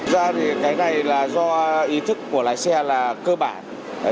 thực ra thì cái này là do ý thức của lái xe là cơ bản